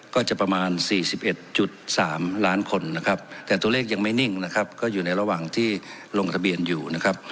ก็จะประมาณ๔๑๓ล้านคนนะครับแต่ตัวเลขยังไม่นิ่งนะครับก็อยู่ในระหว่างที่ลงทะเบียนอยู่นะครับ